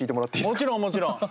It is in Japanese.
もちろんもちろん！